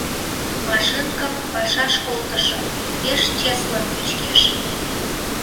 Машинкым пашаш колтышым, пеш чеслын пӱчкеш.